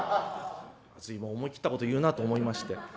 随分思い切ったこと言うなと思いまして。